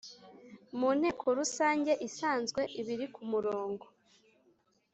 Mu nteko rusange isanzwe ibiri ku murongo